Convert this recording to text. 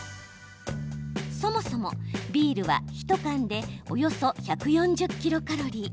そもそもビールは１缶でおよそ１４０ｋｃａｌ。